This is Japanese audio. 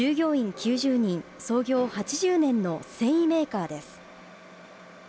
従業員９０人、創業８０年の繊維メーカーです。